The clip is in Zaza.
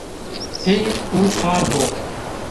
Pê û par bo